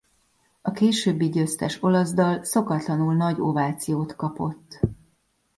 A későbbi győztes olasz dal szokatlanul nagy ovációt kapott.